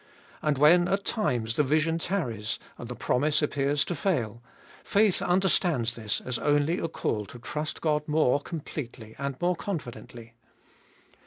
And when at times the vision tarries, and the promise appears to fail, faith understands this as only a call to trust God more completely and more confidently.